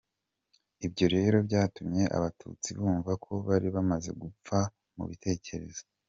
Ibyo rero byatumye Abatutsi bumva ko bari bamaze gupfa mu bitekerezo.